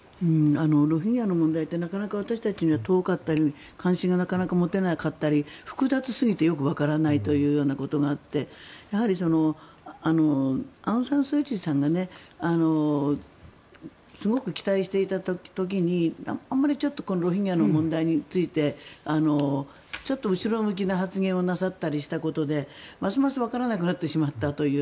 ロヒンギャの問題って私たちには遠かったり関心がなかなか持てなかったり複雑すぎてよくわからないということがあってやはりアウンサンスーチーさんがすごく期待していた時にあまりロヒンギャの問題についてちょっと後ろ向きな発言をなさったりしたことでますますわからなくなってしまったという。